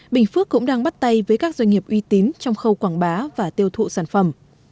bình phước cũng đang bắt tay với các doanh nghiệp uy tín trong khâu quảng bá và tiêu thụ sản phẩm